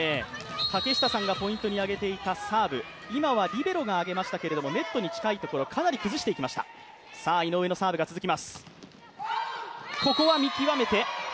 竹下さんがポイントに挙げていたサーブ、今はリベロが上げましたけれども、ネットに近いところかなり崩していきました、井上のサーブが続きます。